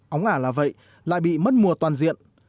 ống ả là vậy lại bị mất mùa toàn diện